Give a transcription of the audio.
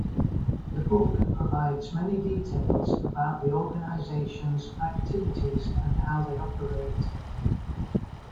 The book provides many details about the organization's activities and how they operate.